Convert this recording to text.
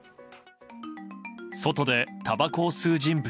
外で、たばこを吸う人物。